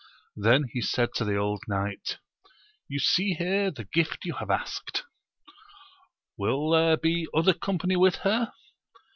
Then he said to the old knight, you see here the gift you have asked! will there be other company with her?